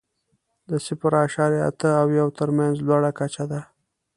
د صفر اعشاریه اته او یو تر مینځ لوړه کچه ده.